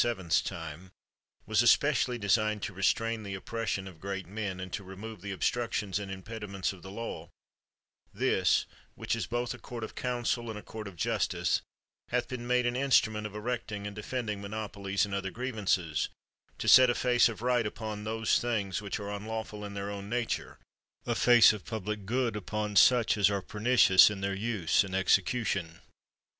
's time, was especially designed to restrain the oppression of great men, and to remove the obstructions and impediments of the law, — this, which is both a court of counsel and a court of justice, hath been made an instrument of erect ing, and defending monopolies and other griev ances; to set a face of right upon those things which are unlawful in their own nature, a face of public good upon such as are pernicious in their use and execution.